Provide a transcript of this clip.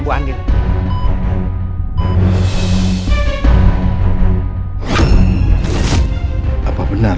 pertanyaannya pak pansas